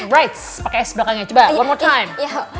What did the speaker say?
right pakai s belakangnya coba one more time